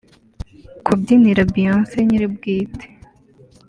Kubyinira Beyonce nyir’ubwite